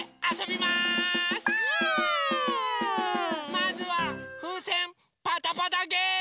まずはふうせんパタパタゲーム！